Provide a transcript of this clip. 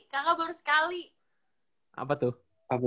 kaka baru sekali gak dibalas dia